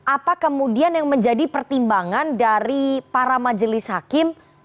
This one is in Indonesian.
apa kemudian yang menjadi pertimbangan dari para majelis hakim